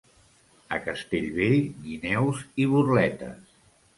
A Castellvell, guineus i burletes.